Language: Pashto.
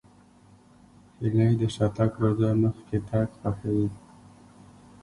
هیلۍ د شاتګ پر ځای مخکې تګ خوښوي